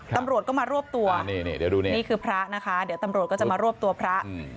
ตำรวจก็มารวบตัวนี่คือพลาดนะคะเดี๋ยวตำรวจก็จะมารวบตัวพระ